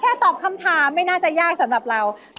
ตอบคำถามไม่น่าจะยากสำหรับเรา